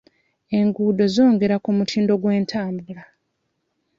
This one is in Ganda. Enguudo zongera ku mutindo gw'entambula.